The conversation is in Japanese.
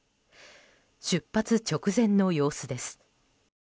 出発直前の様子です。